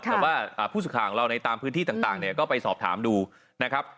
แต่ว่าผู้สุขากับเราใต้ประวัติศึกษาใต้ละเอาก็ไปสอบถามดูนะครับ